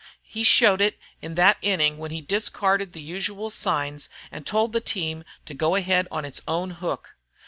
He showed it in that inning when he discarded the usual signs and told the team to go ahead on its own hook.